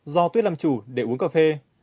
do tuyết làm chủ để uống cà phê